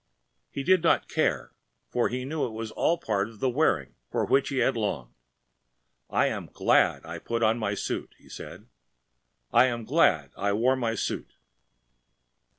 He did not care, for he knew it was all part of the wearing for which he had longed. “I am glad I put on my suit,‚ÄĚ he said; “I am glad I wore my suit.